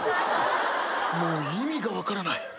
もう意味が分からない。